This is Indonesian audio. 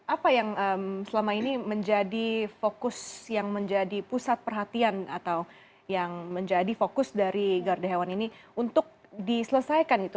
apa yang selama ini menjadi fokus yang menjadi pusat perhatian atau yang menjadi fokus dari garda hewan ini untuk diselesaikan itu